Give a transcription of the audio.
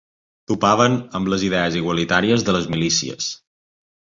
Topaven amb les idees igualitàries de les milícies